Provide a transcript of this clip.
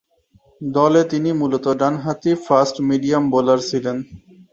দলে তিনি মূলতঃ ডানহাতি ফাস্ট মিডিয়াম বোলার ছিলেন।